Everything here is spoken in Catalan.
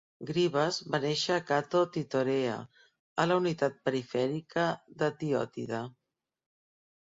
Grivas va néixer a Kato Tithorea, a la unitat perifèrica de Ftiòtida.